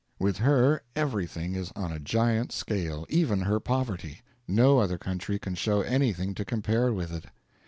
With her everything is on a giant scale even her poverty; no other country can show anything to compare with it.